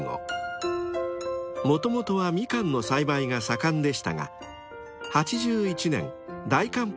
［もともとはミカンの栽培が盛んでしたが８１年大寒